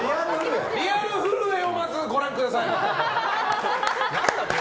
リアル震えをまずご覧ください！